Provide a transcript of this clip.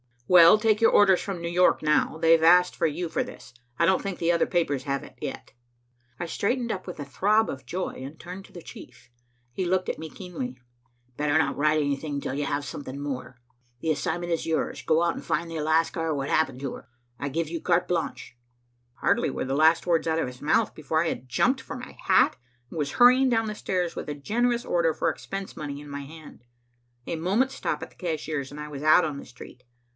"Well, take your orders from New York now. They've asked for you for this. I don't think the other papers have it yet." I straightened up with a throb of joy and turned to the chief. He looked at me keenly. "Better not write anything till you have something more. The assignment is yours. Go out and find the Alaska or what happened to her. I give you carte blanche." Hardly were the last words out of his mouth before I had jumped for my hat and was hurrying down the stairs with a generous order for expense money in my hand. A moment's stop at the cashier's, and I was out on the street.